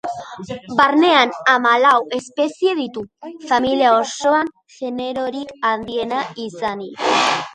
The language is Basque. Barnean hamalau espezie ditu, familia osoan generorik handiena izanik.